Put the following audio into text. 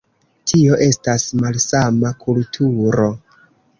Tio estas malsama kulturo.